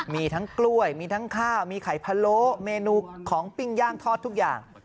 มีทั้งกล้วยมีทั้งข้าวมีไข่พะโลเมนูของปิ้งย่างทอดทุกอย่าง